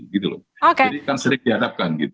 jadi kan sering dihadapkan